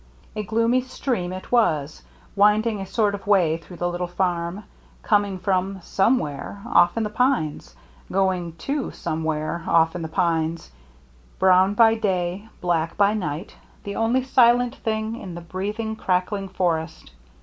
A gloomy stream it was, winding a sort of way through the little farm, coming from — somewhere, off in the pines ; going to — somewhere, off in the pines ; brown by day, black by night; the only silent thing in the breathing, crackling for est.